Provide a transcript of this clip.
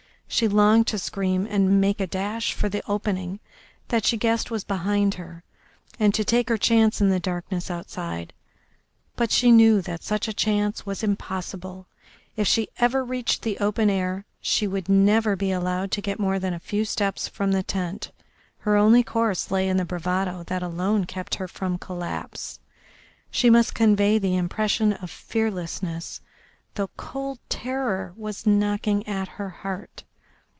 She longed to scream and make a dash for the opening that she guessed was behind her, and to take her chance in the darkness outside. But she knew that such a chance was impossible; if she ever reached the open air she would never be allowed to get more than a few steps from the tent. Her only course lay in the bravado that alone kept her from collapse. She must convey the impression of fearlessness, though cold terror was knocking at her heart.